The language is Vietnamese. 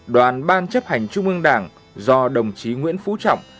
đoàn ban chấp hành trung ương đảng do đồng chí nguyễn phú trọng